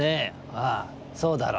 「ああそうだろ」。